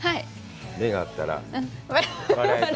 目が合ったら笑えと。